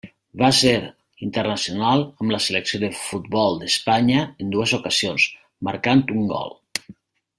Va ser internacional amb la selecció de futbol d'Espanya en dues ocasions, marcant un gol.